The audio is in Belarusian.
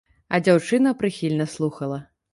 А дзяўчына прыхільна слухала.